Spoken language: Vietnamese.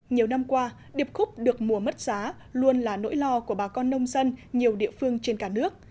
nhiều năm qua điệp khúc được mùa mất giá luôn là nỗi lo của bà con nông dân nhiều địa phương trên cả nước